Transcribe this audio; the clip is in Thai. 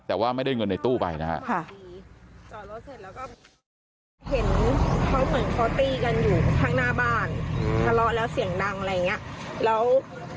แต่ว่าไม่ได้เงินในตู้ไปนะฮะจอดรถเสร็จแล้วก็เห็นเขาเหมือนเขาตีกันอยู่